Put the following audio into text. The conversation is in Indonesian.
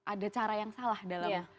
ada cara yang salah dalam